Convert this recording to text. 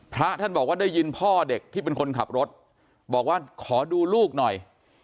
พระท่านบอกว่าได้ยินพ่อเด็กที่เป็นคนขับรถบอกว่าขอดูลูกหน่อย